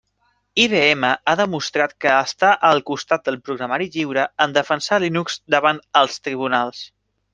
IBM ha demostrat que està al costat del programari lliure en defensar Linux davant els tribunals.